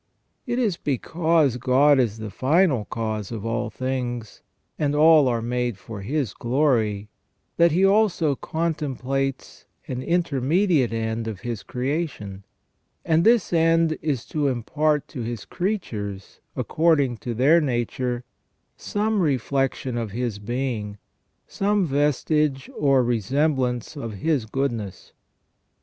It is because God is the final cause of all things, and all are made for His glory, that He also contemplates an intermediate end of His creation; and this end is to impart to His creatures, according to their nature, some reflection of His Being, some vestige or resemblance of His goodness.